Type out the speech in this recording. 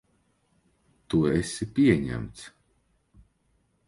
Tu esi pieņemts.